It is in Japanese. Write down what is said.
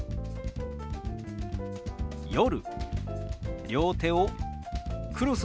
「夜」。